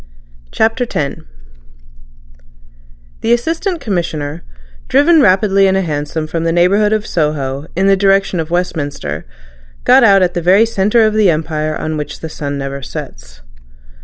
CHAPTER X The Assistant Commissioner, driven rapidly in a hansom from the neighbourhood of Soho in the direction of Westminster, got out at the very centre of the Empire on which the sun never sets.